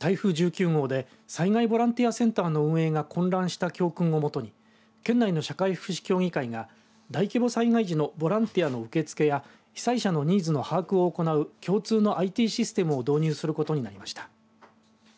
台風１９号で災害ボランティアセンターの運営が混乱した教訓をもとに県内の社会福祉協議会が大規模災害時のボランティアの受け付けや被災者の人数の把握を行う共通のＩＴシステムを導入することになりました。